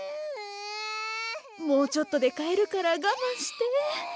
もうちょっとでかえるからがまんして。